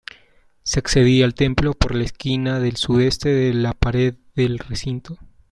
Se accedía al templo por la esquina del sudeste de la pared del recinto.